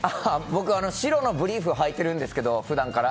僕は白のブリーフをはいてるんですけど、普段から。